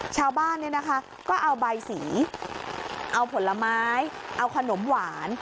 ชาวบ้านก็เอาใบสีเอาผลไม้เอาขนมหวาน